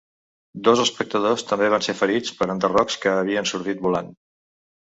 Dos espectadors també van ser ferits per enderrocs que havien sortit volant.